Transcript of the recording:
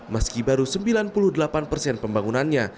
meski baru sembilan puluh delapan persen pembangunannya